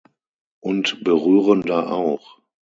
Und berührender auch.